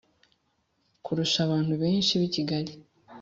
kurusha abantu benshi bikigali